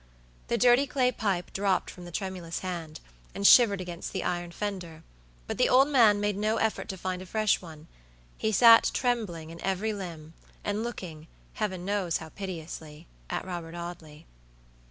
The dirty clay pipe dropped from the tremulous hand, and shivered against the iron fender, but the old man made no effort to find a fresh one; he sat trembling in every limb, and looking, Heaven knows how piteously, at Robert Audley.